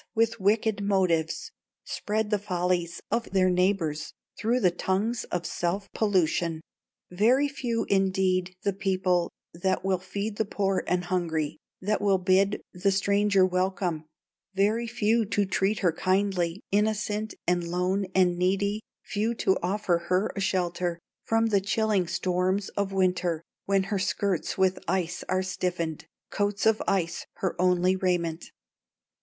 with wicked motives, Spread the follies of their neighbors Through the tongues of self pollution. Very few, indeed, the people That will feed the poor and hungry, That will bid the stranger welcome; Very few to treat her kindly, Innocent, and lone, and needy, Few to offer her a shelter From the chilling storms of winter, When her skirts with ice are stiffened, Coats of ice her only raiment!